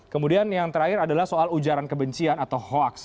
kemudian yang terakhir adalah soal ujaran kebencian atau hoaks